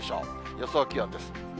予想気温です。